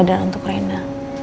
dan untuk renna